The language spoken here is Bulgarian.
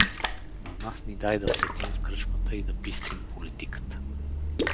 На нас ни дай да седим в кръчмата и да бистрим политиката.